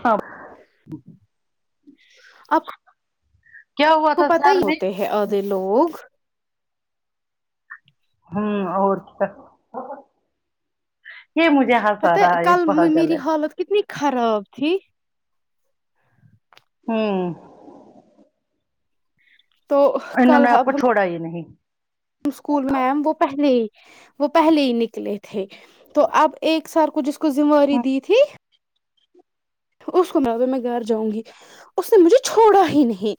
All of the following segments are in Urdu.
ہاب آپ کو پتا ہی ہوتے ہے آدھے لوگ ہوں اور کیا یہ مجھے ہنسا پتہ رہا ہے یہ کل پاگل میری ہے حالت کتنی خراب تھی ہوں تو انہوں کل نے اب آپکو ہم چھوڑا ہی نہیں اسکول میم وہ پہلے ہی وہ پہلے ہی نکلے تھے تو اب ایک سر کو جس کو زمواری ہوں دی تھی اس کو میں بولی میں گھر جاؤں گی اس نے مجھے چھوڑا ہی نہیں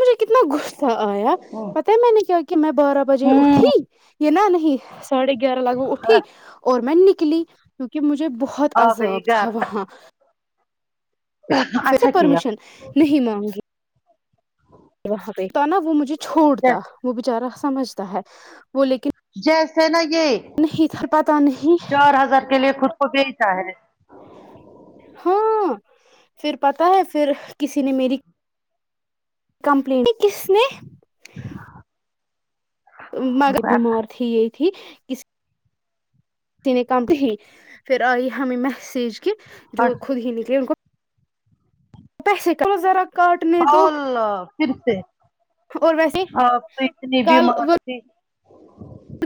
مجھے کتنا غصہ آیا ہوں پتا ہے میں نے کیا کہ میں بارہ بجے ہوں اٹھی یہ نہ نہیں ساڑھے گیارہ لاگ میں اٹھی اور میں نکلی کیونکہ مجھے بہت آ گئی عذاب تھا گھر وہاں پھرسے اچھا کیا پرمیشن نہیں مان گی وہاں پہ تو نا وہ مجھے چھوڑتا وہ بچارا سمجھتا ہے وہ لیکن جیسے نا یہ نہیں تھا پتا نہیں چار ہزار کے لیے خود کو بیچا ہے ہاں پھر پتا ہے پھر کسی نے میری کمپلین کس نے [inaudible] مگر اچھا بیمار تھی یہی تھی کس [unintelligible] پھر آئی ہمیں میسج کے جو خود ہی نکلے ان کو پیسے کو ذرا کاٹنے دو اور پھر سے اور ویسے آپ تو اتنی بیمار تھی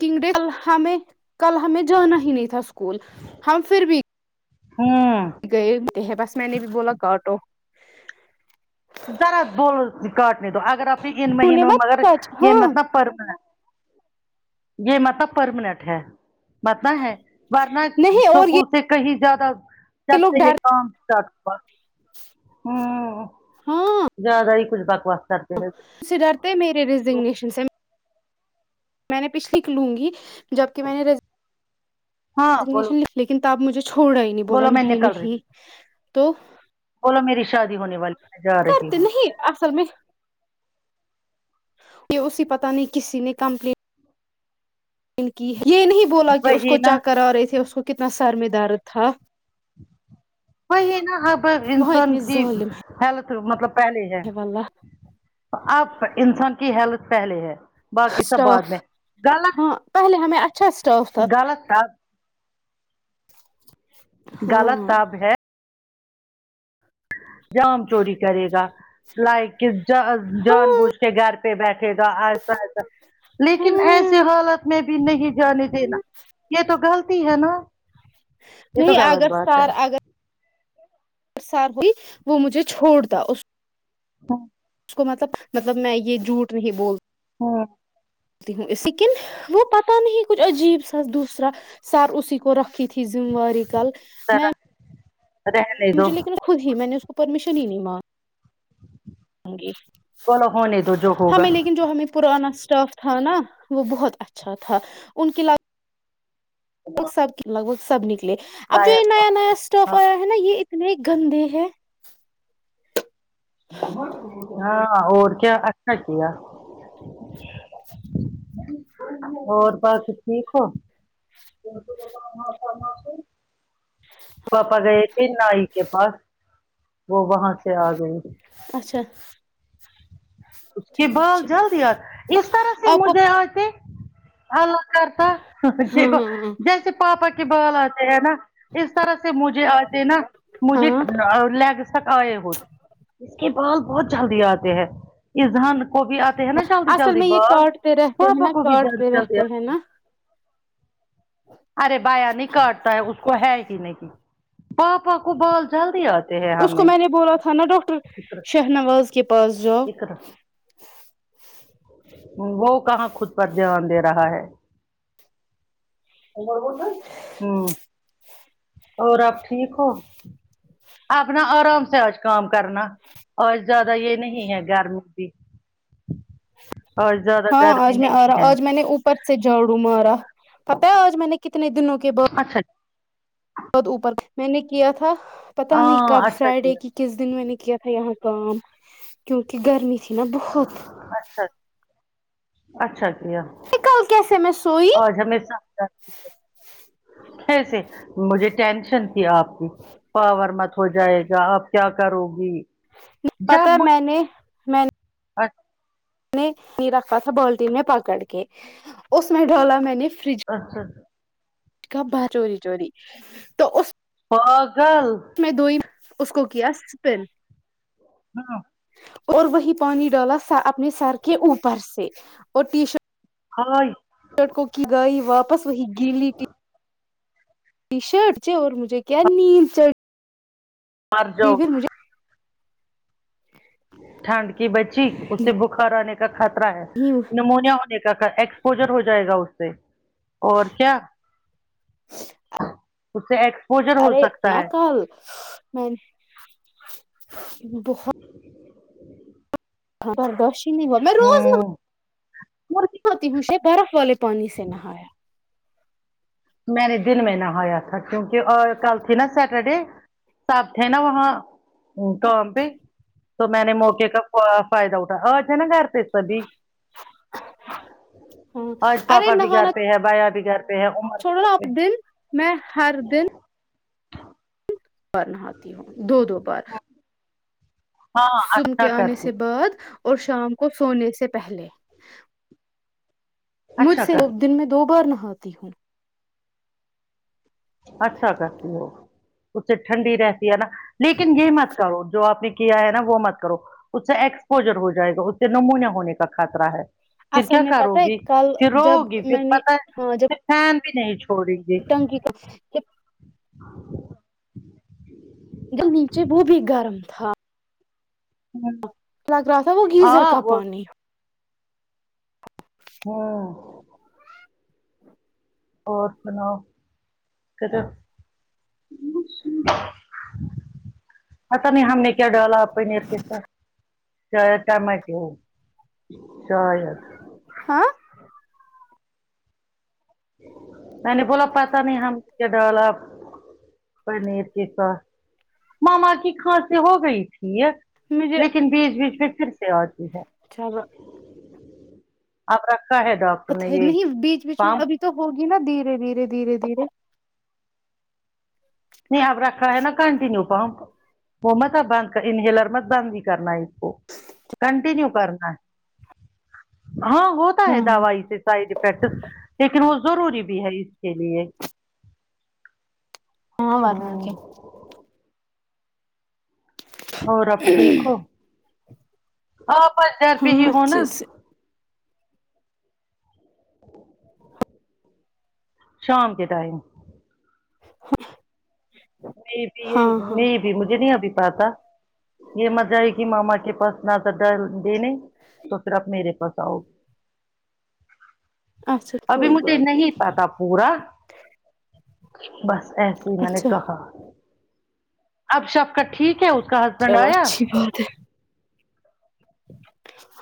کنگ ڈے کل ہمیں کل ہمیں جانا ہی نہیں تھا اسکول ہم پھر بھی ہوں گئے ہے بس میں نے بھی بولا کاٹو [unintelligible] ذرا اگر آپنی ان انہوں نے مہینوں مت مگر سچ یہ ہاں مطلب پرمنینٹ یہ مطلب پرمنینٹ ہے متنا ہے ورنہ نہیں اور اسکول یہ سے کہیں زیادہ جب لوگ سے یہ ڈر کام اسٹارٹ ہوا ہوں ہاں زیادہ ہی کچھ بکواس کرتے رہتے اس سے ڈرتے ہے میرے ریزگنیشن سے میں نے پچھ لکھ لوں گی جبکہ میں نے ہاں بولو رینیشن لکھلی لیکن تو اب مجھے چھوڑا ہی نہیں بولا بولو میں نہیں نکل رہی نہیں ہوں تو بولو میری شادی ہونے والی میں جا رہی کرتے ہوں نہیں اصل میں کہ اسی نے پتہ نہیں کسی نے کمپلی ان کی یہ نہیں بولا کہ اس وہی کو نا چکر آرہے تھے اس کو کتنا سر میں درد تھا وہی نا اب وہاں انسان اتنے کی ظالم ہیلت مطلب پہلے جایں ہے واللہ اب انسان کی ہیلت پہلے ہے باقی سب بعد اسٹاف میں غلط ہاں پہلے ہمیں اچھا اسٹاف تھا غلط تھا غلط ہاں سب ہے جام چوری کرے گا لائک اس جا ہاں جان بوجھ کے گھر پہ بیٹھے گا ایسا ایسا لیکن ایسے ہاں حالت میں بھی نہیں جانے دینا یہ تو غلطی ہے نا یہ تو نہیں غلط اگر بات ہے ساتھ ہی وہ مجھے چھوڑ تا اس [inaudible] اس کو مطلب مطلب میں یہ جھوٹ نہیں بول ہاں تی ہوں اسیکن وہ پتہ نہیں کچھ عجیب سا دوسرا سار اسی کو رکھی تھی ذمہ واری کل میں رہنےدو مجھے لیکن خود ہی میں نے اس کو پرمیشن ہی نہیں ما ہوں گی بولو ہونے دو جو ہوگا ہمیں لیکن جو ہمیں پرانا اسٹاف تھا نا وہ بہت اچھا تھا ان کی لا وہ سب کے لگ بھگ سب نکلے اب جو بائے یہ نیا نیا اللہ۔ اسٹاف ہاں آیا ہے نا یہ اتنے گندے ہے ہاں اور کیا اچھا کیا اور بس ٹھیک ہو پاپا گئے تھے نائی کے پاس وہ وہاں سے آ گئے اچھا اس کے چلو بال اچھی جلدی بات آ ہے اس طرح سے آپ کو مجھے آے تھے کرتا ہاں ہاں ہاں جیسے پاپا کے بال آتے ہیں نا اس طرح سے مجھے آتے نا مجھے ہاں لیگس تک آئے ہو اس کے بال بہت جلدی آتے ہیں از ہان کوبھی آتے ہے نا جلدی اصل جلدی میں یہ بال کاٹتے رہتے پا ہیں پا نا کوبھی جلدی کاٹتے جلدی رہتے آتے ہیں نا ارے بایا نہیں کاٹتا ہے اس کو ہے ہی نہیں پا پا کو بال جلدی آت اس کو میں نے بولا تھا نا ڈاکٹر شہنواز کے پاس جاو [unintelligible] وہ کہاں خود پر دھیان دے رہا ہے ہمم اور آپ ٹھیک ہو آپ نا آرام سے آج کام کرنا آج زیادہ یہ نہیں ہے گرمی بھی اور زیادہ ہاں گرمی آج میں آ نہیں رہا ہے آج میں نے اوپر سے جاڑوں مارا پتہ ہے آج میں نے کتنے دنوں کے ب اچھا عد اوپر میں نے کیا تھا پتہ نہیں ہاں کب اچھا کیا فرائیڈے کی کس دن میں نے کیا تھا یہاں کام کیونکہ گرمی تھی نا بہت اچھ اچ اچھا کیا کل کیسے میں سوئی آج ہمیں [unintelligible] کیسے مجھے ٹینشن تھی آپ کی پاور مت ہو جائے گا آپ کیا کرو گی پتہ میں نے میں اچھ رکھا تھا بالٹین میں پکڑ کے اس میں ڈالا میں نے فریج اچھا کا با چوری چوری تو اس پاگل اس میں دو ہی اس کو کیا سپین ہاں اور وہی پانی ڈالا اپنے سر کے اوپر سے اور ٹی شرٹ ہایی چٹکوں کی گائی واپس وہی گیلی ٹی ٹی شرٹ چ اور مجھے کیا نید چڑ مر جاو ٹھنڈ کی بچی اسے بخار آنے کا خطرہ ہے [unintelligible] نمونیا ہونے کا ایکسپوجر ہو جائے گا اس سے اور کیا اس سے ایکسپوجر ہو ارے سکتا نہ ہے کل میں نے بہت برداش ہی نہیں ہوا میں روز مرغی تی ہوںش برف والے پانی سے نہایا میں نے دن میں نہایا تھا کیونکہ کل تھی نا سیٹرڈے ساتھ تھے نا وہاں کام پہ تو میں نے موقع کا فائدہ اٹھایا اج تھے نا گھر پہ سبھی آج ہاں ارے پاپا بھی گھر نہانا پہ ہے بایا بھی گھر پہ عمر بھی گھر پہ [unintelligible] ہے دن میں ہر دن ار نہاتی ہوں دو دو بار ہاں سن کے اچھا آنے کرتی سے بعد اور شام کو سونے سے پہلے مجھ اچھا سے کرتی دن میں دو بار نہاتی ہوں اچھا کرتی ہو اس سے ٹھنڈی رہتی ہے نا لیکن یہ مت کرو جو آپ نے کیا ہے نا وہ مت کرو اس سے ایکسپوجر ہو جائے گا اس سے نمونیا ہونے کا خطرہ ہے پھر اصل کیا میں کرو پتہ ہے گی کل پھر رو جب گی پھر میں نے پتا ہاں ہے جب فین بھی نہیں چھوڑیں گی ٹنکی کا نیچے وہ بھی گرم تھا [unintelligible] لگ رہا تھا وہ گیزر ہاں کا وہ پانی ہاں اور سناؤ کدھر [unintelligible] پتا نہیں ہم نے کیا ڈالا پنیر کے ساتھ ٹماٹو شاید ہاں میں نے بولا پتا نہیں ہم کیا ڈالا پنیر کے ساتھ ماما کی کھانسی ہو گئی تھی یہ مجھے لیکن بیچ بیچ میں پھر سے آتی ہے چلو آپ رکھا ہے ڈاک اچھا نہیں بیچ بیچ میں ابھی تو ہوگی نا دھیرے دھیرے دھیرے دھیرے نہیں آب رکھا ہے نا کنٹیینیو پ وہ متب بند انہیلر مت بند ہی کرنا ہے اس کو کنٹینیو کرنا ہے ہاں ہوتا ہے ہاں دوائی سے سائڈ افیکٹ لیکن وہ ضروری بھی ہے اس کے لیے ہاں ورنہ کیا اور آب ٹھیک ہو اپ بس گھر پر ہی ہاں ہو نا اچھے سے شام کے ٹائم نہیں بھی یہ ہاں ہاں نہیں بھی مجھے نہیں ابھی پتا یہ مزہ آئے گی ماما کے پاس جیدا ڈر دینے تو پھر آپ میرے پاس آؤ اچھا ابھی کوئی مجھے بات نہیں پتا پورا بس ایسے ہی میں نے اچھا کہا اب شب کا ٹھیک ہے اس کا ہسبینڈ آیا ٹھیک ہے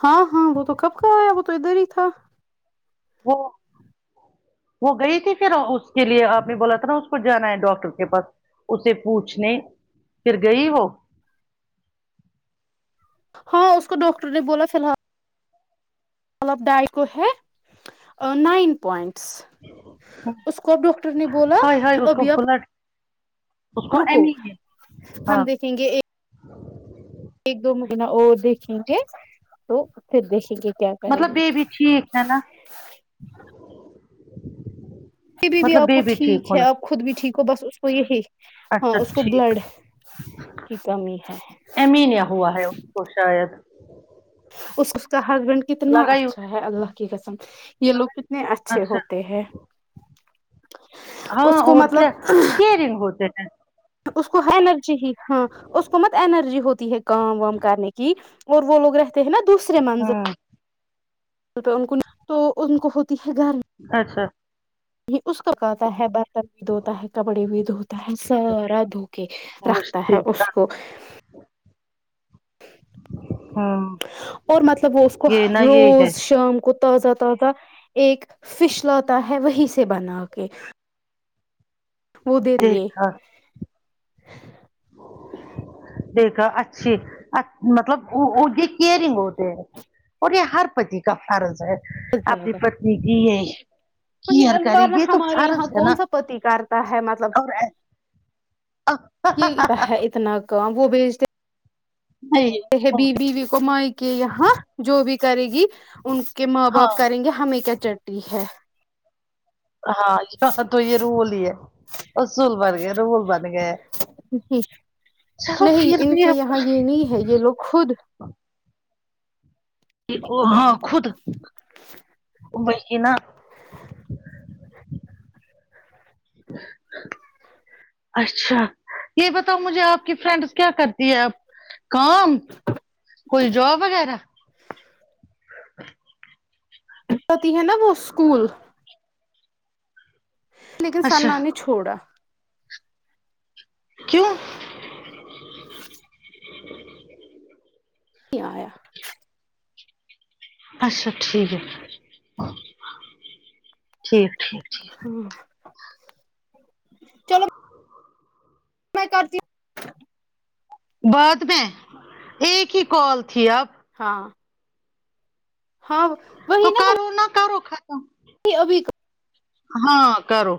ہاں ہاں وہ تو کب کا آیا وہ تو ادھر ہی تھا وہ وہ گئی تھی پھر اس کے لیے آپ نے بولا تھا نا اس کو جانا ہے ڈاکٹر کے پاس اسے پوچھنے پھر گئی ہو ہاں اس کو ڈاکٹر نے بولا فی الحال مطلب ڈائی کو ہے نائن پوئنٹ س اس کو اب ڈاکٹر نے بولا ہائے ہائے اس کو ابھی اپ بلڈ اس کو رکو ایم ای ہے ہم ہاں دیکھیں گے ایک ایک دو منٹ اور دیکھیں گے تو پھر دیکھیں گے کیا کریں مطلب گے بیبی ٹھیک ہے نا پھر بھی مطلب آپ کو بیبی ٹھیک ہے ہونا آپ چاہیے خود بھی ٹھیک ہو بس اس کو یہ ہے اچھا ٹھیک کی کمی ہے ایمی نیا ہوا ہے اسکو شاید اس اس کا ہسبینڈ کتنا لگا ہی اچھا ہے اللہ کی قسم یہ لوگ اتنے اچھے اچھا ہوتے ہیں ہاں اس کو اور کیا مطلب کیرنگ ہوتے ہے اس کو انرجی ہی ہاں اس کو مت انرجی ہوتی ہے کام وام کرنے کی اور وہ لوگ رہتے ہیں نا دوسرے م ہوں ان تو ان کو ہوتی ہے گرمی اچھا یہ اس کو کہتا ہے برتن بھی دھوتا ہے کپڑے بھی دھو تا ہے سارا دھوکے اس رکھتا ہے اس دیکھا کو ہوں اور مطلب وہ اس کو یہ نا یہ ہے روز شام کو تازہ تازہ ایک فش لاتا ہے وہی سے بنا کے وہ ادھر ھی ہے دیکھا دیکھا اچھی مطلب وہ یہ کیئرنگ ہوتے ہیں اور یہ ہر پتی کا فرض ہے اپنی پتنی کی ہے پ کیئر کرے اخبار میں یہ تو ہمارے یہاں فرض نا کون سا پتی کرتا ہے مطلب اور یہ ہے اتنا کام وہ بھیجتے نہیں کہ بی بیوی کو مائکے یہاں جو بھی کرے گی ان کے ماں ہاں باپ کریں گے ہمیں کیا چٹتی ہے ہاں یہ تو یہ رول ہی ہے اسول بن گیا رول بن گئے ہے چلو نہیں پھر ان بھی کے یہاں یہ ہے یہ لوگ خود ا ہاں خود وہی نا اچھا یہ بتاؤ مجھے آپ کی فرینڈس کیا کرتی ہے اب کام کوئی جوب وغیرہ پتی ہے نا وہ اسکول لیکن اچھا سنا نے چھوڑا کیوں [unintelligible] اچھا ٹھیک ہے ٹھیک ٹھیک ٹھیک ہوں میں کرتی ہوں بعد میں ایک ہی کال تھی اب ہاں ہاں تو وہی نا کرو نہ کرو ختم ابھی ہاں کرو